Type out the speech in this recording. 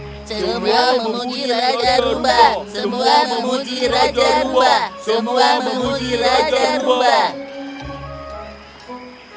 semua memuji raja rubah semua memuji raja rubah semua memuji raja rubah